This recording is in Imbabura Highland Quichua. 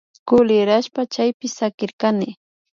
Kulirashpa chaypi sakirkani